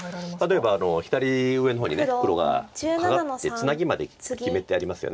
例えば左上の方に黒がカカってツナギまで決めてありますよね。